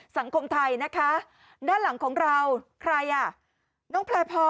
สังคมไทยนะคะด้านหลังของเราใครอ่ะ